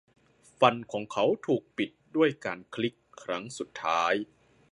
ฟันของเขาถูกปิดด้วยการคลิกครั้งสุดท้าย